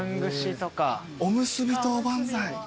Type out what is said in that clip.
おむすびとおばんざい。